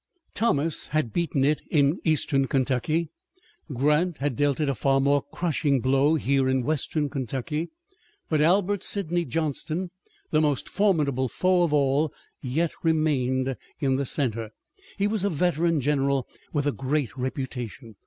Thomas had beaten it in Eastern Kentucky, Grant had dealt it a far more crushing blow here in Western Kentucky, but Albert Sidney Johnston, the most formidable foe of all, yet remained in the center. He was a veteran general with a great reputation.